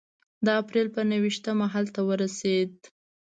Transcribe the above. د اپرېل په نهه ویشتمه هلته ورسېد.